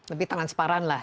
lebih transparan lah